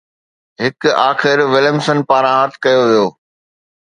هڪ آخر وليمسن پاران هٿ ڪيو ويو